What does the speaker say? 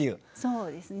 そうですね。